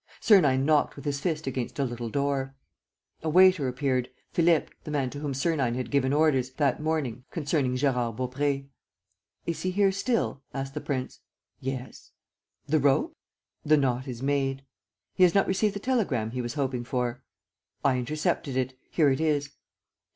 Sernine knocked with his fist against a little door. A waiter appeared, Philippe, the man to whom Sernine had given orders, that morning, concerning Gérard Baupré. "Is he here still?" asked the prince. "Yes." "The rope?" "The knot is made." "He has not received the telegram he was hoping for?" "I intercepted it: here it is."